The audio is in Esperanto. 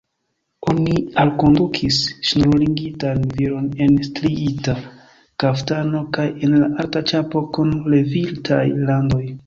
Oni alkondukis ŝnurligitan viron en striita kaftano kaj en alta ĉapo kun levitaj randoj.